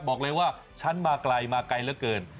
บอกเลยว่าฉันมาไกลมาไกลเหลือเกิน